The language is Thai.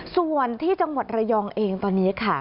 ส่วนที่จังหวัดระยองเองตอนนี้ค่ะ